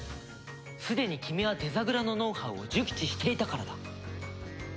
すでに君はデザグラのノウハウを熟知していたからだ。